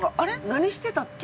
何してたっけ？